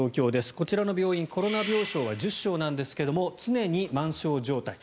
こちらの病院はコロナ病床は１０床なんですが常に満床状態。